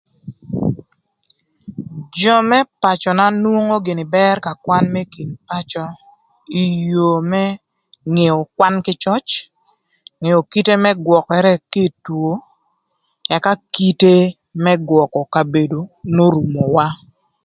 Jö më pacöna nwongo gïnï bër ka kwan më kin pacö ï yoo më ngeo kwan kï cöc, ngeo kite më gwökërë kï ï two, ëka kite më gwökö kabedo n'orumowa.